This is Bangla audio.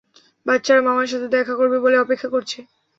বাচ্চারা মামার সাথে দেখা করবে বলে অপেক্ষা করছে।